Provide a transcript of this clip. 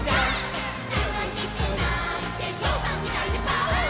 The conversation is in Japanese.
「たのしくなってぞうさんみたいにパオーン」